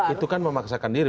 itu kan memaksakan diri